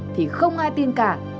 thì không ai tin cả